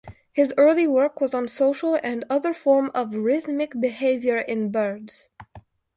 His early work was on social and other forms of rhythmic behaviour in birds.